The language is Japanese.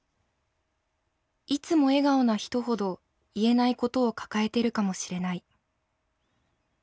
「いつも笑顔な人ほど言えないことを抱えてるかもしれない。